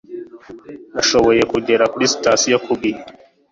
Nashoboye kugera kuri sitasiyo ku gihe